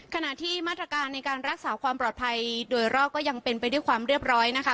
ขณะที่มาตรการในการรักษาความปลอดภัยโดยรอบก็ยังเป็นไปด้วยความเรียบร้อยนะคะ